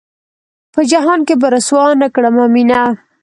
پۀ جهان کښې به رسوا نۀ کړمه مينه